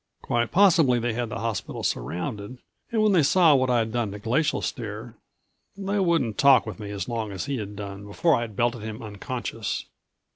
Quite possibly they had the hospital surrounded and when they saw what I'd done to Glacial Stare they wouldn't talk with me as long as he had done before I'd belted him unconscious.